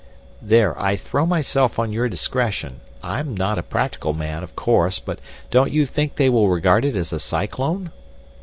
"There, I throw myself on your discretion. I'm not a practical man, of course, but don't you think they will regard it as a cyclone?"